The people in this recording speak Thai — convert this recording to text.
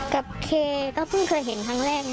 กับเคก็เพิ่งเคยเห็นครั้งแรก